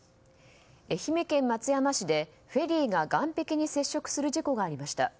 愛媛県松山市でフェリーが岸壁に接触する事故がありました。